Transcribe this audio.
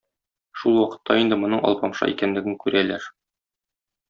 Шул вакытта инде моның Алпамша икәнлеген күрәләр.